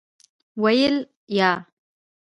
ویل : یا .